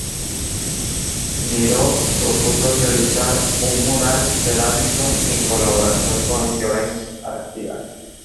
Miró propuso realizar un mural cerámico en colaboración con Llorens Artigas.